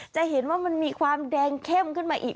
จะเห็นว่ามันมีความแดงเข้มขึ้นมาอีก